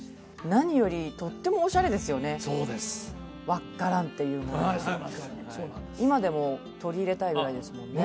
何よりとってもオシャレですよねっていうものが今でも取り入れたいぐらいですもんね